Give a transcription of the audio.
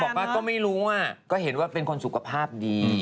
บอกว่าก็ไม่รู้ก็เห็นว่าเป็นคนสุขภาพดี